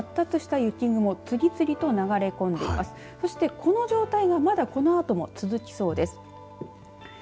そして、この状況がまだこのあとも続きそうです。